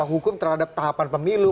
hukum terhadap tahapan pemilu